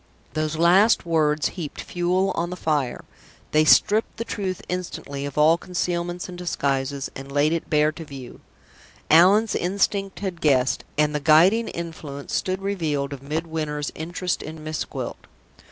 Those last words heaped fuel on the fire. They stripped the truth instantly of all concealments and disguises, and laid it bare to view. Allan's instinct had guessed, and the guiding influence stood revealed of Midwinter's interest in Miss Gwilt.